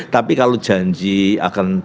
tapi kalau janji akan terselenggaranya keadilan